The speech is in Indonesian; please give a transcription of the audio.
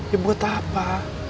ya buat apa